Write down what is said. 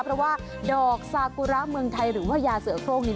เพราะว่าดอกซากุระเมืองไทยหรือว่ายาเสือโครงนี้